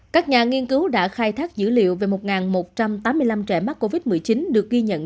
các nhà nghiên cứu đã khai thác dữ liệu về một một trăm tám mươi năm trẻ mắc covid một mươi chín được ghi nhận